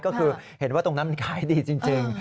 ก็คือเห็นว่าตรงนั้นมันขายดีจริง